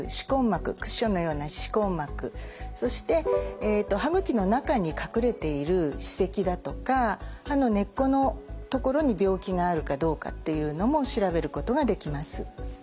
膜クッションのような歯根膜そして歯ぐきの中に隠れている歯石だとか歯の根っこのところに病気があるかどうかっていうのも調べることができます。